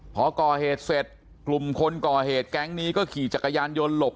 พอก่อเหตุเสร็จกลุ่มคนก่อเหตุแก๊งนี้ก็ขี่จักรยานยนต์หลบ